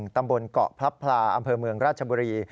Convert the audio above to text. ตำบลเกาะพลับพลาอำเภอเมืองราชบุรี